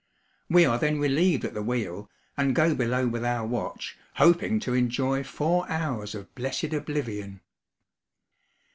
We are then relieved at the wheel, and go below with our watch, hoping to enjoy four hours of blessed oblivion.